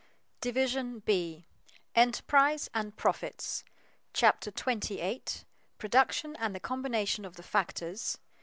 DIVISION B ENTERPRISE AND PROFITS CHAPTER 28 PRODUCTION AND THE COMBINATION OF THE FACTORS § I.